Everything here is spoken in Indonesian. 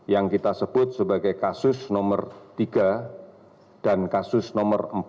yang kita sebut sebagai kasus nomor tiga dan kasus nomor empat